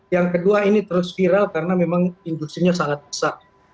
yang kedua ini terus viral karena memang industri nya sangat besar